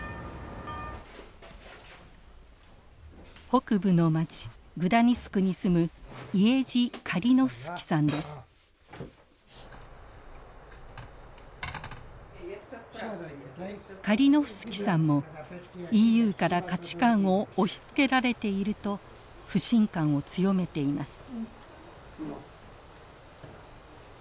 北部の町グダニスクに住むカリノフスキさんもＥＵから価値観を押しつけられていると不信感を強めています。